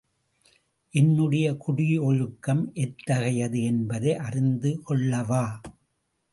என்னுடைய குடி ஒழுக்கம் எத்தகையது என்பதை அறிந்து கொள்ளவா?